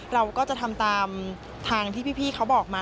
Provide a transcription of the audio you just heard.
เราก็จะทำตามทางที่พี่เขาบอกมา